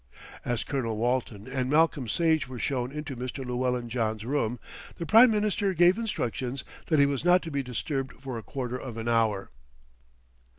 As Colonel Walton and Malcolm Sage were shown into Mr. Llewellyn John's room, the Prime Minister gave instructions that he was not to be disturbed for a quarter of an hour.